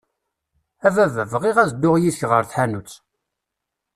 A baba, bɣiɣ ad dduɣ yid-k ɣer tḥanutt.